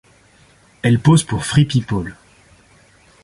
Elle pose pour Free People.